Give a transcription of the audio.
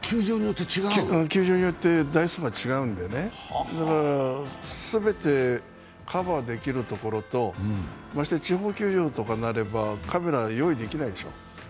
球場によって台数が違うんでね、全てカバーできるところとまして地方球場となればカメラが用意できないでしょう。